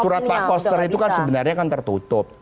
surat pak koster itu kan sebenarnya kan tertutup